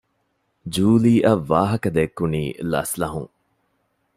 ޖޫލީއަށް ވާހަކަދެއްކުނީ ލަސްލަހުން